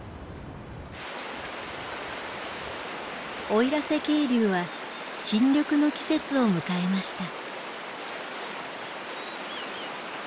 奥入瀬渓流は新緑の季節を迎えました。